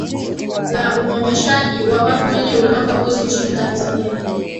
la unyanyashaji wa watu wenye ulemavu wa ngozi nchini tanzania